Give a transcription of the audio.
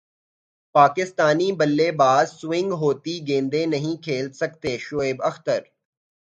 پاکستانی بلے باز سوئنگ ہوتی گیندیں نہیں کھیل سکتے شعیب اختر